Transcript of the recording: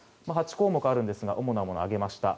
８項目ありますが主なものを挙げました。